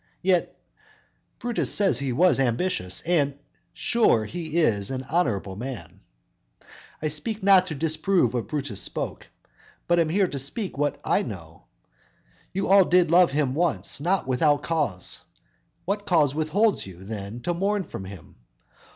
Yet Brutus says he was ambitious; And, sure, he is an honorable man. I speak not to disprove what Brutus spoke, But here I am to speak what I know. You all did love him once, not without cause; What cause withholds you, then, to mourn for him?